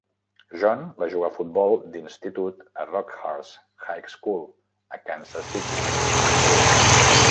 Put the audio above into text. John va jugar a futbol d'institut al Rockhurst High School a Kansas City, Missouri.